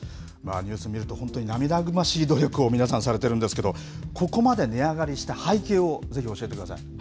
ニュース見ると、本当に涙ぐましい努力を皆さん、されてるんですけれども、ここまで値上がりした背景をぜひ教えてください。